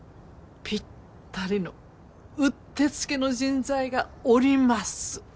ぴったりのうってつけの人材がおります。